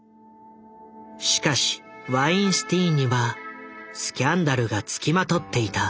しかしワインスティーンにはスキャンダルが付きまとっていた。